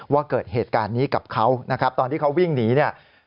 ว่าเกิดเหตุการณ์นี้กับเขานะครับตอนที่เขาวิ่งหนีเนี่ย